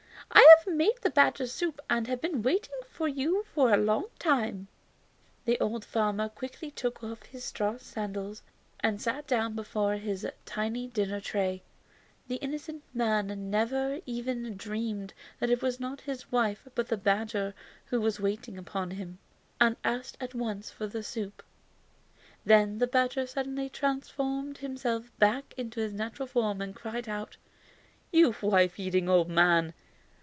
I have made the badger soup and have been waiting for you for a long time." The old farmer quickly took off his straw sandals and sat down before his tiny dinner tray. The innocent man never even dreamed that it was not his wife but the badger who was waiting upon him, and asked at once for the soup. Then the badger suddenly transformed himself back to his natural form and cried out: "You wife eating old man!